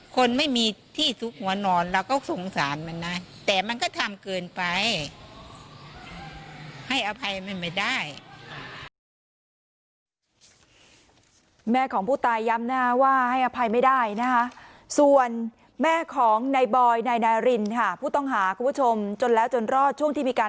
คนไม่มีที่สุขหัวหนอนเราก็ทรงสารมันนะ